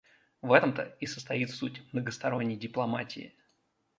В этом-то и состоит суть многосторонней дипломатии.